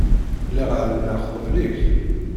Lliɣ εelmeɣ qbel-ik.